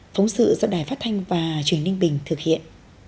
phóng sự do đài phát thanh và truyền ninh bình thực hiện